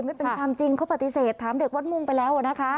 ไม่เป็นความจริงเขาปฏิเสธถามเด็กวัดมุ่งไปแล้วนะคะ